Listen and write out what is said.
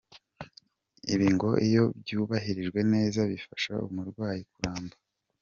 Ibi ngo iyo byubahirijwe neza bifasha umurwayi kuramba.